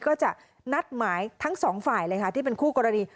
ก็จะนัดหมายทั้ง๒ฝ่ายที่เป็นคู่กรณี